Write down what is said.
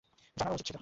জানানো উচিত ছিল।